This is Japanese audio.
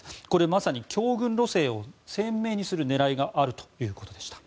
まさに強軍路線を鮮明にする狙いがあるということでした。